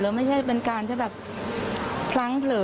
มันไม่ใช่เป็นการจะแบบพลั้งเผลอ